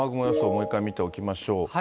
もう一回見ておきましょう。